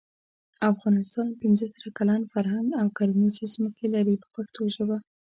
افغانستان پنځه زره کلن فرهنګ او کرنیزې ځمکې لري په پښتو ژبه.